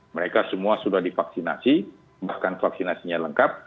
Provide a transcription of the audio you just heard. mereka semua sudah divaksinasi bahkan vaksinasinya lengkap